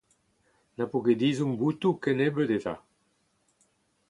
Ne’z po ket ezhomm botoù kennebeut eta ?